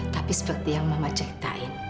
tapi seperti yang mama ceritain